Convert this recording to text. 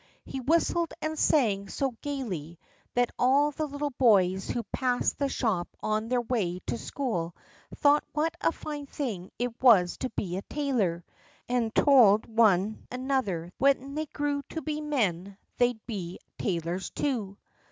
He whistled and sang so gaily that all the little boys who passed the shop on their way to school thought what a fine thing it was to be a tailor, and told one another that when they grew to be men they'd be tailors, too.